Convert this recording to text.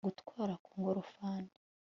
gutwara ku ngorofani